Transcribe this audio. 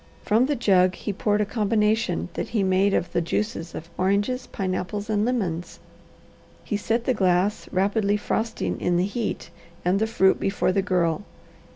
From the jug he poured a combination that he made of the juices of oranges, pineapples, and lemons. He set the glass, rapidly frosting in the heat, and the fruit before the Girl.